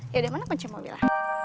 yaudah mana kuncinya mobilnya